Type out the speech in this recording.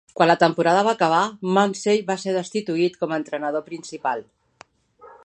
Quan la temporada va acabar, Munsey va ser destituït com a entrenador principal.